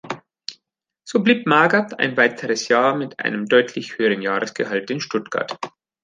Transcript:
So blieb Magath ein weiteres Jahr mit einem deutlich höheren Jahresgehalt in Stuttgart.